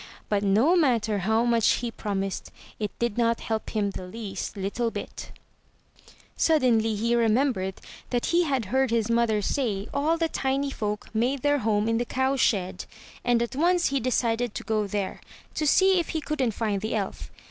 But no matter how much he prom ised, it did not help him the least little bit. 415 MY BOOK HOUSE Suddenly he remembered that he had heard his mother say all the tiny folk made their home in the cowshed; and, at once, he decided to go there, to see if he couldn't find the elf.